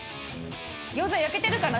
餃子焼けてるかな？